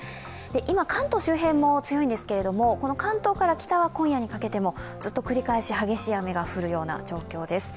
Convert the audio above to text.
今、関東周辺も強いんですけれども関東から北は今夜にかけてもずっと繰り返し激しい雨が降るような状況です。